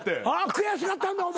悔しかったんかお前は。